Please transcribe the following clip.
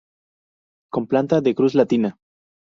Con planta de cruz latina.